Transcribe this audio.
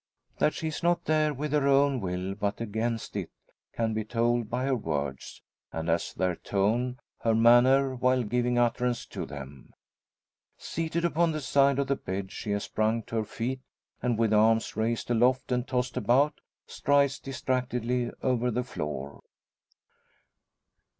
That she is not there with her own will but against it, can be told by her words, and as their tone, her manner while giving utterance to them. Seated upon the side of the bed, she has sprung to her feet, and with arms raised aloft and tossed about, strides distractedly over the floor.